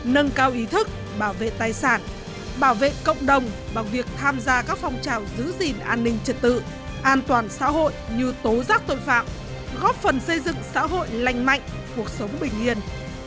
nâng cao ý thức bảo vệ tài sản bảo vệ cộng đồng bằng việc tham gia các phong trào giữ gìn an ninh trật tự an toàn xã hội như tố giác tội phạm góp phần xây dựng xã hội lành mạnh cuộc sống bình yên